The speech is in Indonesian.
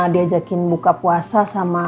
diajakin buka puasa sama mama sama papa